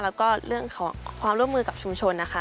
แล้วก็เรื่องของความร่วมมือกับชุมชนนะคะ